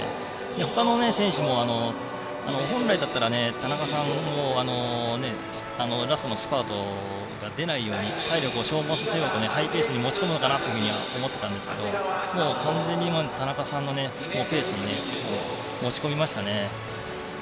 ほかの選手も本来だったら田中さんのラストのスパートが出ないように体力を消耗させようとハイペースに持ち込むかなと思っていたんですが完全に田中さんのペースに持ち込みましたね。